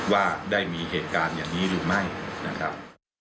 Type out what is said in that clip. ว่าได้มีเหตุการณ์อย่างนี้หรือไม่นะครับ